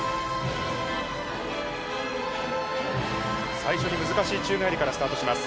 最初に難しい宙返りからスタート